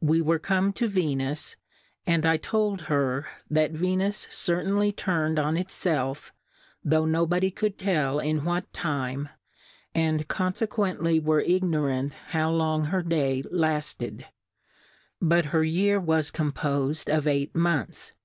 We were come to Venus^ and I told her, that Venus certainly turnM on it felf, tho' no body could tell in what Time, and confequently were ignorant how long her Day lafted ; but her Year was composed of eight Months, be